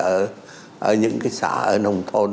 ở những cái xã ở nông thôn